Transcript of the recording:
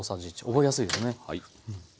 覚えやすいですね。